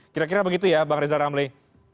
kira kira begitu ya bang rizal ramli